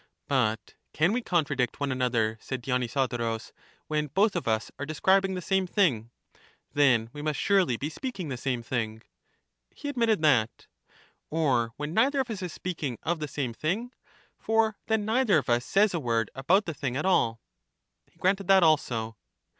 But can we contradict one another, said Dionyso dorus, when both of us are describing the same thing? Then we must surely be speaking the same thing? He admitted that. Or when neither of us is speaking of the same thing? For then neither of us says a word about the thing at all? He granted that also.